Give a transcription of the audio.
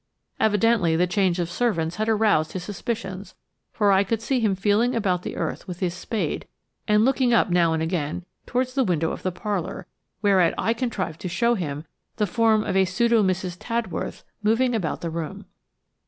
Evidently the change of servants had aroused his suspicions, for I could see him feeling about the earth with his spade and looking up now and again towards the window of the parlour, whereat I contrived to show him the form of a pseudo Mrs. Tadworth moving about the room.